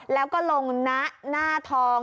แล้วก็ลงนะหน้าทอง